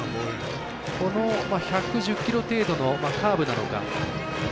１１０キロ程度のカーブなのか。